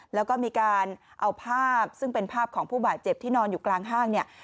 แล้วก็มีการเอาภาพซึ่งเป็นภาพของผู้บาดเจ็บที่นอนอยู่กลางห้างเนี่ย